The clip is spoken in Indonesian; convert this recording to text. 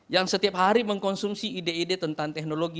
yang setiap hari mengkonsumsi ide ide tentang teknologi